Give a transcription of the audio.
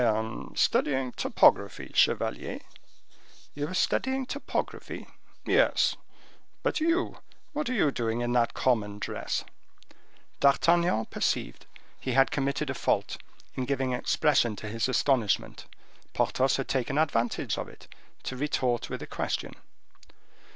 "I am studying topography, chevalier." "You are studying topography?" "Yes; but you—what are you doing in that common dress?" D'Artagnan perceived he had committed a fault in giving expression to his astonishment. Porthos had taken advantage of it, to retort with a question.